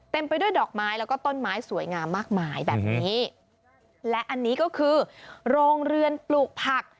ไปด้วยดอกไม้แล้วก็ต้นไม้สวยงามมากมายแบบนี้และอันนี้ก็คือโรงเรือนปลูกผัก